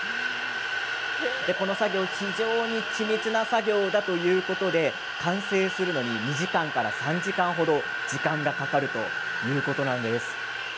この作業、非常にち密な作業だということで完成するのに２時間から３時間程時間がかかるということなんです。